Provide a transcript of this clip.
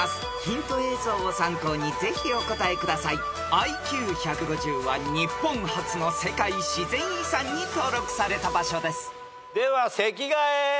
［ＩＱ１５０は日本初の世界自然遺産に登録された場所です］では席替え。